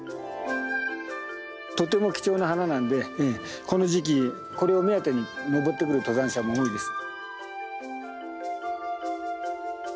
とても貴重な花なんでこの時期これを目当てに登ってくる登山者も多いです。